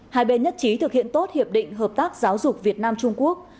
hai bên nhất trí thực hiện tốt hiệp định hợp tác giáo dục việt nam trung quốc